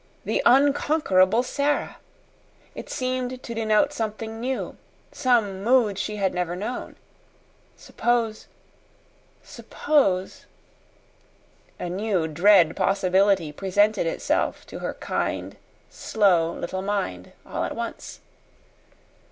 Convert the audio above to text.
The unconquerable Sara! It seemed to denote something new some mood she had never known. Suppose suppose a new dread possibility presented itself to her kind, slow, little mind all at once.